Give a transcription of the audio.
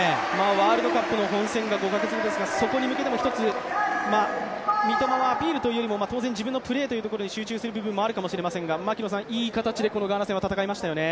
ワールドカップの本戦が５カ月後ですが、三笘はアピールというよりも当然自分のプレーに集中する部分はあるかもしれませんがいい形でガーナ戦を戦えましたね。